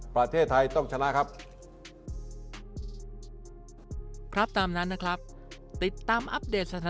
ประเทศไทยต้องชนะครับ